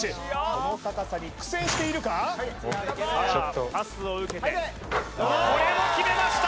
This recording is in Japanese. この高さに苦戦しているかちょっとさあパスを受けておおこれも決めました